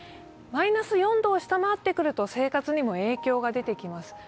マイナス４度を下回ってくると生活にも影響が出てきます。